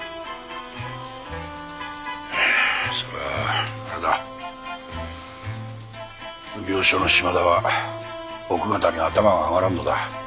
はあそれは何だ奉行所の島田は奥方に頭が上がらんのだ。